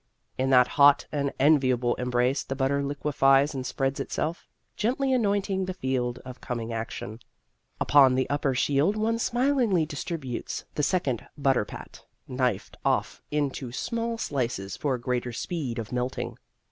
In that hot and enviable embrace the butter liquefies and spreads itself, gently anointing the field of coming action. Upon the upper shield one smilingly distributes the second butter pat, knifed off into small slices for greater speed of melting.